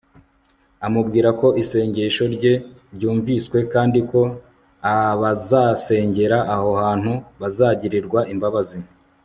amubwira ko isengesho rye ryumviswe kandi ko abazasengera aho hantu bazagirirwa imbabazi